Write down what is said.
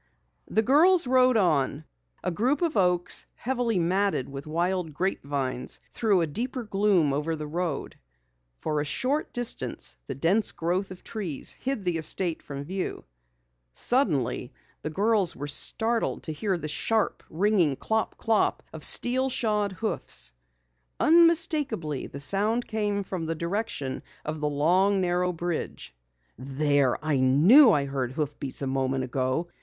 The girls rode on. A group of oaks, heavily matted with wild grapevines, threw a deeper gloom over the road. For a short distance the dense growth of trees hid the estate from view. Suddenly the girls were startled to hear the sharp, ringing clop clop of steel shod hoofs. Unmistakably, the sound came from the direction of the long, narrow bridge. "There! I knew I heard hoofbeats a moment ago!"